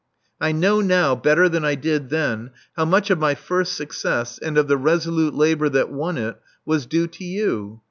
I know now, better than I did then, how much of my first success, and of the resolute labor that won it, was due to you.